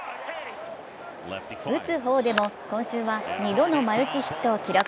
打つ方でも今週は２度のマルチヒットを記録。